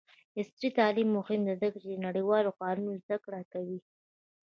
عصري تعلیم مهم دی ځکه چې د نړیوال قانون زدکړه کوي.